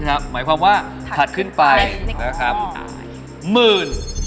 หมื่น